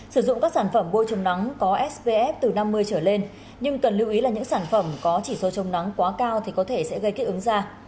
sử dụng các sản phẩm bôi trông nắng có spf từ năm mươi trở lên nhưng cần lưu ý là những sản phẩm có chỉ số trông nắng quá cao thì có thể sẽ gây kết ứng da